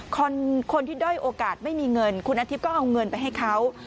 คนที่ด้อยโอกาสไม่มีเงินคุณอาทิตย์ก็เอาเงินไปให้เขา